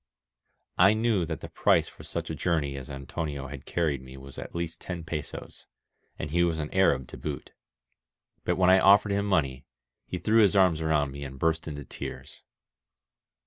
I knew that the price for such a journey as Antonio had carried me was at least ten pesos, and he was an Arab to boot. But when I offered him money, he threw his arms around me and burst into tears.